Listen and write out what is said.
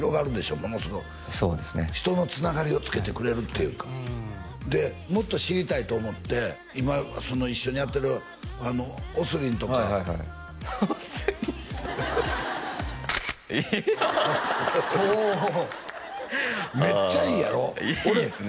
ものすごいそうですね人のつながりをつけてくれるっていうかでもっと知りたいと思って今一緒にやってるＯＳＲＩＮとかはいはいはいＯＳＲＩＮいやおおめっちゃいいやろいいっすね